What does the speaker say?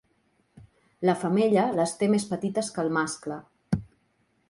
La femella les té més petites que el mascle.